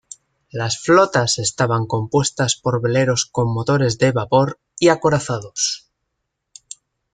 Las flotas estaban compuestas por veleros con motores de vapor y acorazados.